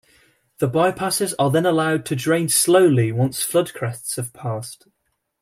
The bypasses are then allowed to drain slowly once flood crests have passed.